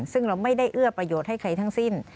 ซึ่งเราไม่ได้เอื้อประโยชน์ให้ใครทั้งสิ้น